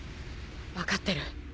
分かってる。